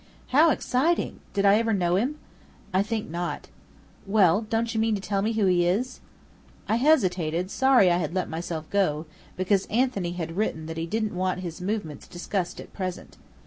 "How exciting! Did I ever know him?" "I think not." "Well? Don't you mean to tell me who he is?" I hesitated, sorry I had let myself go: because Anthony had written that he didn't want his movements discussed at present.